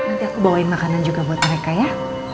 nanti aku bawain makanan juga buat mereka ya